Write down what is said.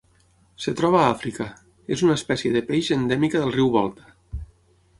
Es troba a Àfrica: és una espècie de peix endèmica del riu Volta.